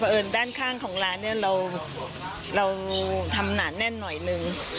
เอิญด้านข้างของร้านเนี่ยเราทำหนาแน่นหน่อยนึง